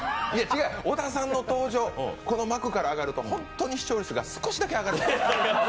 小田さんの登場、この幕から上がると本当に視聴率が少しだけ上がるのよ。